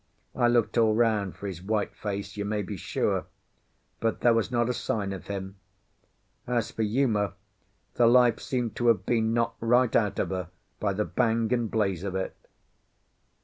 I looked all round for his white face, you may be sure; but there was not a sign of him. As for Uma, the life seemed to have been knocked right out of her by the bang and blaze of it.